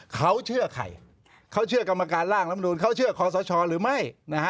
เขาเชื่อใครเขาเชื่อกรรมการร่างลำนูนเขาเชื่อคอสชหรือไม่นะฮะ